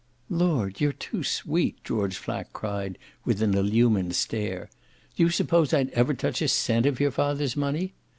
"Lord, you're too sweet!" George Flack cried with an illumined stare. "Do you suppose I'd ever touch a cent of your father's money?"